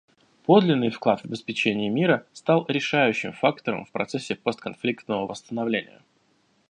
Подлинный вклад в обеспечение мира стал решающим фактором в процессе постконфликтного восстановления.